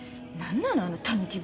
何なの？